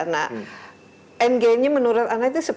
nah eng nya menurut anda itu